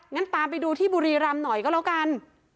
งั้นตามไปดูที่บุรีรำหน่อยก็แล้วกัน